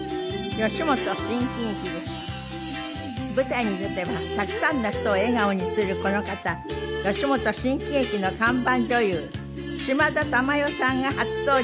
吉本新喜劇で舞台に出てはたくさんの人を笑顔にするこの方吉本新喜劇の看板女優島田珠代さんが初登場です。